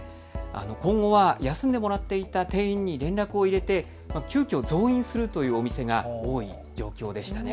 今後は休んでもらっていた店員に連絡を入れて急きょ増員するというお店が多い状況でした。